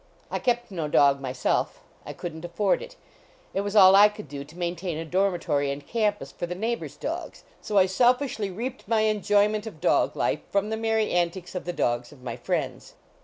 I kept no dog myself; I couldn t afford it; it was all I could do to maintain a dormitory and campus for the neighbors dogs, so I self fishly reaped my enjoyment of dog life from the merry antics of the dogs of my friends.